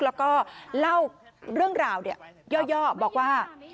แล้วก็เล่าเรื่องราวย่อบอกว่า